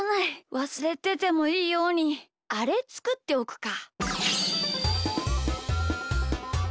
わすれててもいいようにあれつくっておくか。